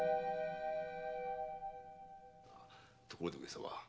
ところで上様。